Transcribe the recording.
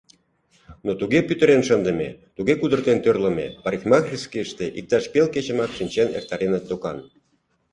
Но туге пӱтырен шындыме, туге кудыртен тӧрлымӧ — парикмахерскийыште иктаж пел кечымак шинчен эртареныт докан.